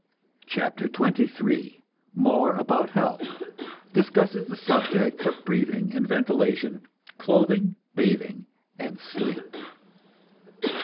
CHAPTER XXIII MORE ABOUT HEALTH (Discusses the subjects of breathing and ventilation, clothing, bathing and sleep.)